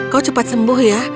kau cepat sembuh ya